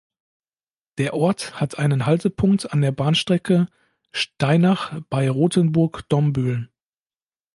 Der Ort hat einen Haltepunkt an der Bahnstrecke Steinach bei Rothenburg–Dombühl.